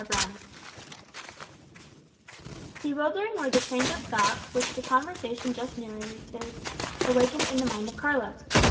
Browning Bewildering were the trains of thought which the conversation just narrated awakened in the mind of Carlos.